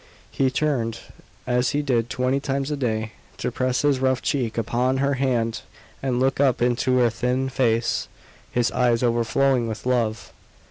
He turned, as he did twenty times a day, to press his rough cheek upon her hand and look up into her thin face, his eyes overflowing with love.